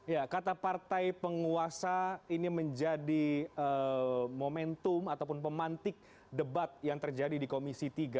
ya kata partai penguasa ini menjadi momentum ataupun pemantik debat yang terjadi di komisi tiga